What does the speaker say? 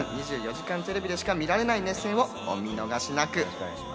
『２４時間テレビ』でしか見られない熱戦をお見逃しなく。